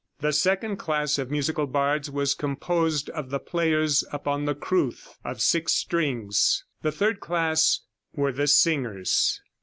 The second class of musical bards was composed of the players upon the crwth, of six strings. The third class were the singers.